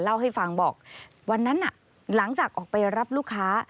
เล่าให้ฟังบอกวันนั้นหลังจากออกไปรับลูกค้า